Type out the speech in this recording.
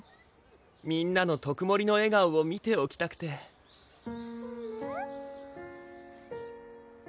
みんなの特盛りの笑顔を見ておきたくてコメ？